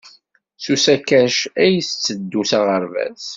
S usakac ay itteddu s aɣerbaz?